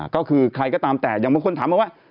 ก็คือใครก็ตามแต่อย่างบางคนถามมาว่า